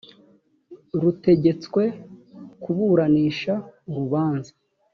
rutegetswe kuburanisha urubanza